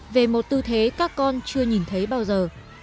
về một tư thế các con chưa nhìn thấy bao giờ